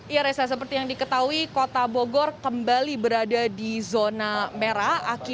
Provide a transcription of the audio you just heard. ya reza seperti yang diketahui kota bogor kembali berada di zona merah